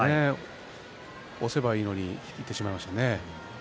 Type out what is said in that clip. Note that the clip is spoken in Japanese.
押せばいいのに引いてしまいました。